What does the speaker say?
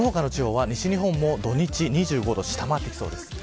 その他の地方は西日本も土日、２５度を下回りそうです。